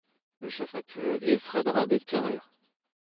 Le chef actuel est Fred Rabbit Carrier.